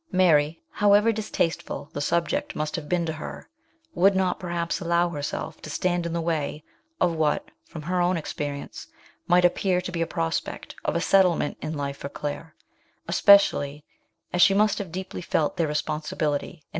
Mary, however distasteful the subject must have been to her, would not perhaps allow herself to stand in the way of what, from her own experience, might appear to be a prospect of a settlement in life for Claire, especially as she must deeply have felt their responsibility in BIRTH OF A CHILD.